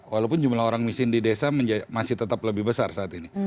walaupun jumlah orang miskin di desa masih tetap lebih besar saat ini